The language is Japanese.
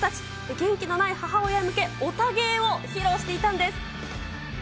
元気のない母親へ向け、オタ芸を披露していたんです。